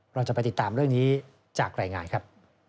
เราจะไปติดตามเรื่องนี้จากรายงานครับ